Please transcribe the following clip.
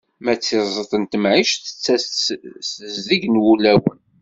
Ma d tiẓeḍt n temɛict tettas-d s tezdeg n wulawen.